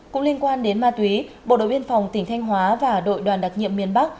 cũng liên quan đến ma túy bộ đội biên phòng tỉnh thanh hóa và đội đoàn đặc nhiệm miền bắc